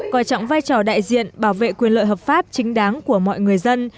coi trọng vai trò đại diện bảo vệ quyền lợi hợp pháp chính đáng của mọi người dân